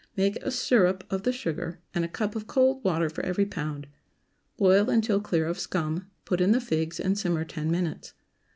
Make a syrup of the sugar, and a cup of cold water for every pound. Boil until clear of scum; put in the figs and simmer ten minutes.